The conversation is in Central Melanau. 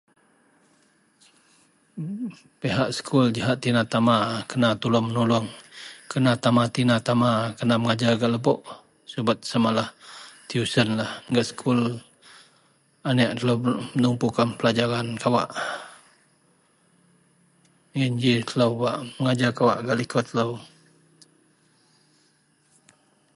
Pihak sekul jahak tina tama kena tolong menulong kena tina tama kena mengajar gak lebok subet samalah tuisyen lah gak sekul anek telo menumpukan pelajaran kawak iyen ji kawak telo mengajar gak liko telo